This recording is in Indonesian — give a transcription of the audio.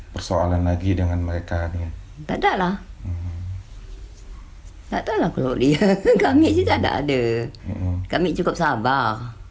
persoalan lagi dengan mereka ini tak adalah tak tahu kalau dia kami tidak ada kami cukup sabar